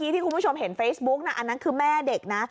ที่คุณผู้ชมเห็นเฟซบุ๊กน่ะอันนั้นคือแม่เด็กนะ